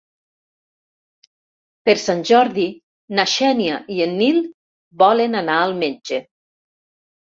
Per Sant Jordi na Xènia i en Nil volen anar al metge.